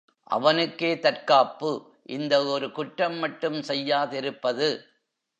அவனுக்கே தற்காப்பு, இந்த ஒரு குற்றம் மட்டும் செய்யாதிருப்பது.